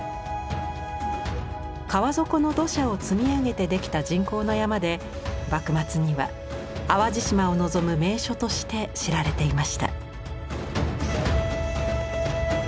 川底の土砂を積み上げて出来た人工の山で幕末には淡路島を望む名所として知られていました。